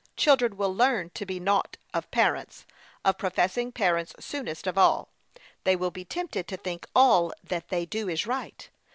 Children will learn to be naught of parents, of professing parents soonest of all. They will be tempted to think all that they do is right.